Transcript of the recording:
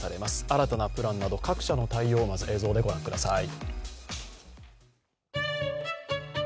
新たなプランなど各社の対応、映像で御覧ください。